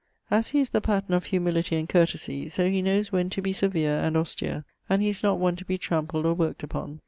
As he is the pattern of humility and courtesie, so he knowes when to be severe and austere; and he is not one to be trampled or worked upon.